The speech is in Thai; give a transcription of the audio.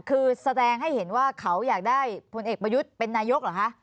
คือแสดงให้เห็นว่าเขาอยากได้ผลเอกประยุทธ์เป็นนายกเหรอคะ